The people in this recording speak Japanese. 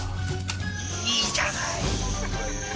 いいじゃない！